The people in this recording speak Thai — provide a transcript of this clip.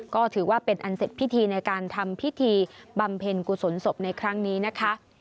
ก็ถือว่าเป็นอันเสร็จพิธีในการทำพิธีบำเพ็ญกุศลศพในครั้งนี้นะคะ